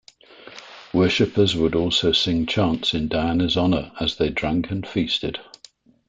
Worshippers would also sing chants in Diana's honour as they drank and feasted.